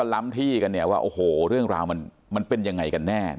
ล้ำที่กันเนี่ยว่าโอ้โหเรื่องราวมันเป็นยังไงกันแน่